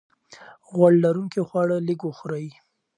غوړ لرونکي خواړه لږ وخورئ.